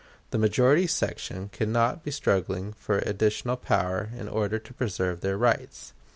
The majority section can not be struggling for additional power in order to preserve their rights.